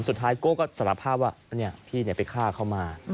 สุดท้ายโก้ก็สารภาพว่าพี่เนี่ยไปฆ่าเข้ามา